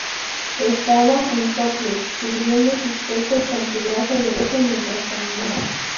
Estaba en topless, cubriendo sus pechos con su brazo derecho mientras caminaba.